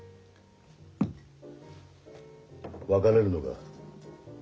別れるのか？